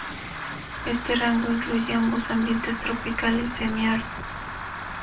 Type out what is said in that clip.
Este rango incluye ambos ambientes tropical y semiárido.